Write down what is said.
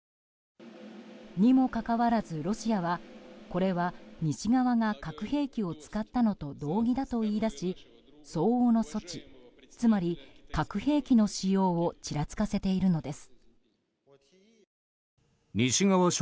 にもかかわらずロシアはこれは西側が核兵器を使ったのと同義だと言い出し相応の措置つまり核兵器の使用をちらつかせているのです。